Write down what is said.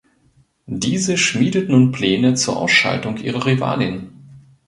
Diese schmiedet nun Pläne zur Ausschaltung ihrer Rivalin.